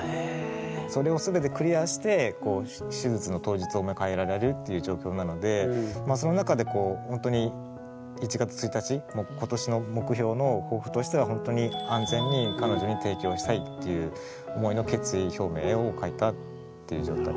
それを全てクリアして手術の当日を迎えられるっていう状況なのでその中でほんとに１月１日今年の目標の抱負としてはほんとにっていう思いの決意表明を書いたっていう状態です。